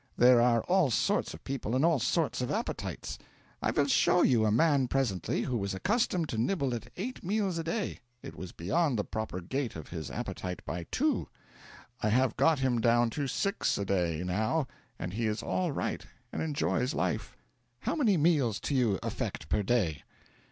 There are all sorts of people, and all sorts of appetites. I will show you a man presently who was accustomed to nibble at eight meals a day. It was beyond the proper gait of his appetite by two. I have got him down to six a day, now, and he is all right, and enjoys life. How many meals to you affect per day?'